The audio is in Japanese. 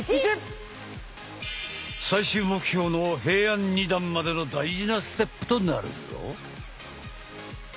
最終目標の平安二段までの大事なステップとなるぞ！